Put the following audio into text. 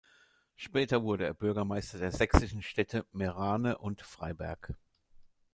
Später wurde er Bürgermeister der sächsischen Städte Meerane und Freiberg.